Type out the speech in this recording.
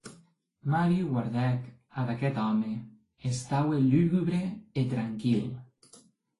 Mario guardèc ad aqueth òme; estaue lugubre e tranquil.